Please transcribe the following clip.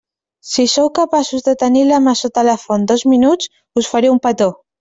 Si sou capaços de tenir la mà sota la font dos minuts, us faré un petó.